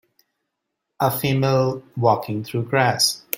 A female walking through grass.